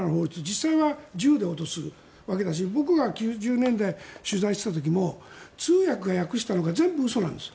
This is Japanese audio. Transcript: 実際は銃で脅すわけだし僕が９０年代、取材していた時も通訳が訳していたのが全部嘘なんです。